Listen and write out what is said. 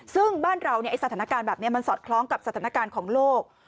ซึ่งบ้านเราสถานการณ์แบบนี้มันสอดคล้องกับสถานการณ์ของโลก